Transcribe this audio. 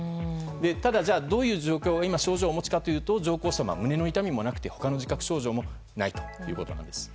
ただ、今はどういう症状をお持ちかというと上皇さまは胸の痛みもなくて他の自覚症状もないということなんです。